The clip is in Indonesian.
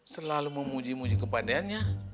selalu memuji muji kepadaannya